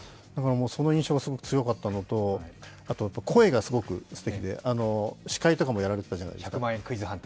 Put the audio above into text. その印象がすごく強かったのとあと声がすごく素敵で、司会とかもやられていたじゃないですか。